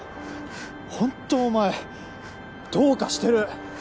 ほんとお前どうかしてる。